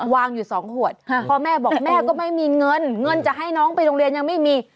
วางอยู่สองขวดพ่อแม่บอกแม่ก็ไม่มีเงินเงินจะให้น้องไปโรงเรียนยังไม่มี